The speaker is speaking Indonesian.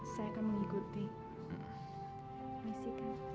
saya akan mengikuti misi kami